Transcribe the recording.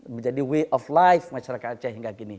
menjadi way of life masyarakat aceh hingga kini